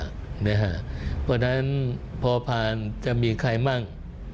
เพราะฉะนั้นพอผ่านจะมีใครมั่ง